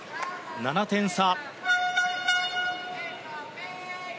７点差。